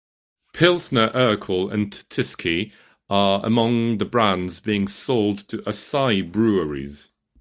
Pilsner Urquell and Tyskie are among the brands being sold to Asahi Breweries.